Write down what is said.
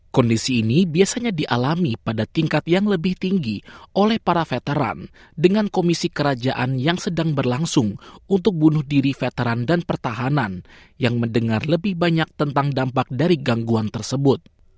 kondisi ini biasanya dialami pada tingkat yang lebih tinggi oleh para veteran dengan komisi kerajaan yang sedang berlangsung untuk bunuh diri veteran dan pertahanan yang mendengar lebih banyak tentang dampak dari gangguan tersebut